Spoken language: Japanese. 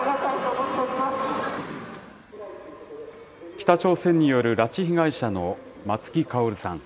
北朝鮮による拉致被害者の松木薫さん。